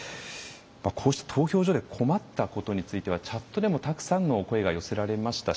こうした投票所で困ったことについてはチャットでもたくさんの声が寄せられました。